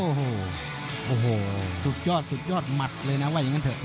โอ้โหสุดยอดหมัดเลยนะว่าอย่างนั้นเถอะ